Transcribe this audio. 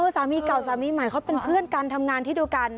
สามีเก่าสามีใหม่เขาเป็นเพื่อนกันทำงานที่เดียวกัน